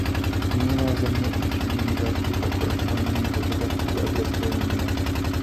Zmíněné země učinily velký pokrok v plnění požadavků Evropské unie.